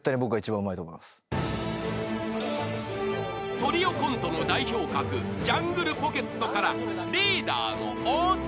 ［トリオコントの代表格ジャングルポケットからリーダーの太田］